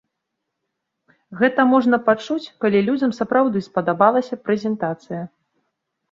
Гэта можна пачуць, калі людзям сапраўды спадабалася прэзентацыя!